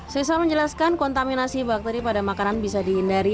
seisa menjelaskan kontaminasi bakteri pada makanan bisa dihindari